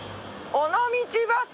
尾道バス。